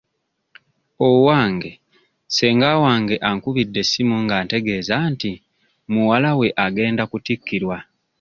Owange ssenga wange ankubidde essimu ng'antegeeza nti muwala we agenda kutikkirwa.